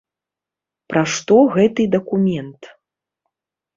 Пра што гэты дакумент?